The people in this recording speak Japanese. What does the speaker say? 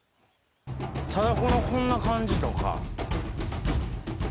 ただこのこんな感じとか。